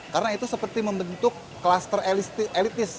karena itu seperti membentuk kluster elitis